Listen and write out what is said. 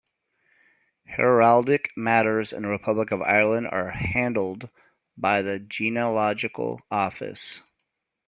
Heraldic matters in the Republic of Ireland are handled by the Genealogical Office.